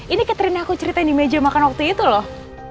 ini catering aku ceritain di meja makan waktu itu loh